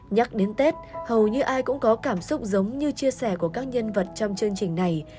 nhắc đến tết hầu như ai cũng có cảm xúc giống như chia sẻ của các nhân vật trong chương trình này